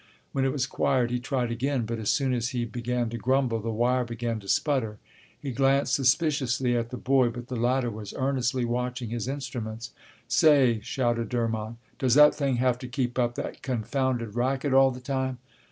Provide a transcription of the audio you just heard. When it was quiet, he tried again, but as soon as he began to grumble, the wire began to sputter. He glanced suspiciously at the boy, but the latter was earnestly watching his instruments. "Say," shouted Durmont, "does that thing have to keep up that confounded racket all the time?"